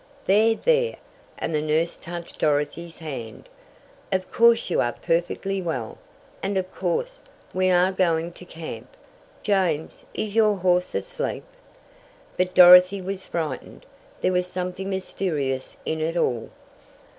"There, there," and the nurse touched Dorothy's hand. "Of course you are perfectly well, and of course, we are going to camp. James, is your horse asleep?" But Dorothy was frightened. There was something mysterious in it all.